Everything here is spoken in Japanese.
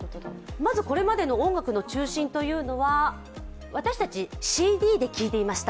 まずこれまでの音楽の中心というのは私たちＣＤで聴いていました。